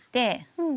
うん。